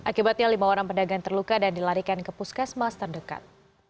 akibatnya lima orang pedagang terluka dan dilarikan ke puskesmas terdekat